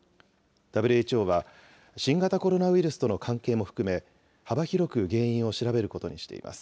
ＷＨＯは、新型コロナウイルスとの関係も含め、幅広く原因を調べることにしています。